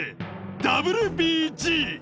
ＷＢＧ。